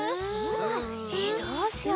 どうしようかな？